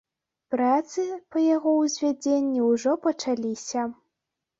Працы па яго ўзвядзенні ўжо пачаліся.